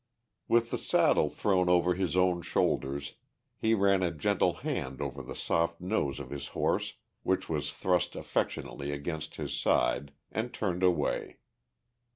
With the saddle thrown over his own shoulders, he ran a gentle hand over the soft nose of his horse which was thrust affectionately against his side, and turned away.